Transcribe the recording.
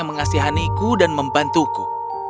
mengasihaniku dan membantuku